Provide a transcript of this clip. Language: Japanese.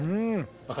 分かる？